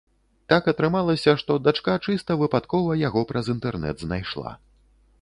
Так атрымалася, што дачка чыста выпадкова яго праз інтэрнэт знайшла.